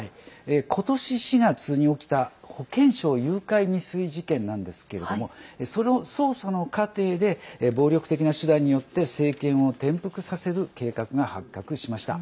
今年４月に起きた保健相誘拐未遂事件なんですけれどもその捜査の過程で暴力的な手段によって政権を転覆させる計画が発覚しました。